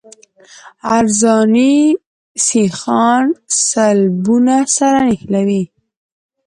عرضاني سیخان سلبونه سره نښلوي